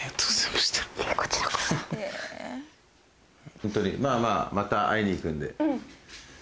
ホントにまぁまぁまた会いに行くんで。